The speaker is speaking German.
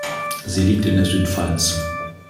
Sie liegt in der Südpfalz.